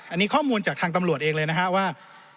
อันนี้ข้อมูลจากทางตำรวจเองเลยนะฮะว่า